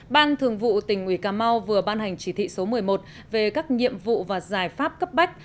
ban thường vụ tỉnh ủy cà mau vừa ban hành chỉ thị số một mươi một về các nhiệm vụ và giải pháp cấp bách